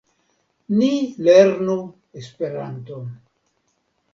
Ni lernu Esperanton.